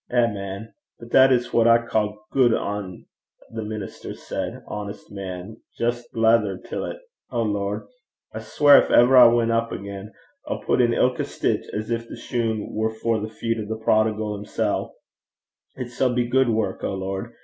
Eh, man! but that is what I ca' gude, an' a' the minister said honest man 's jist blether till 't. O Lord, I sweir gin ever I win up again, I'll put in ilka steek (stitch) as gin the shune war for the feet o' the prodigal himsel'. It sall be gude wark, O Lord.